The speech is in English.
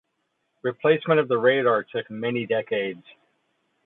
Replacement of the radar took many decades.